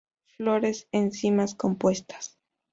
Flores en cimas compuestas.